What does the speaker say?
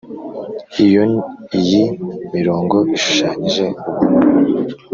iyo iyi mirongo ishushanyije ubona,